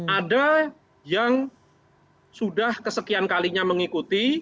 ada yang sudah kesekian kalinya mengikuti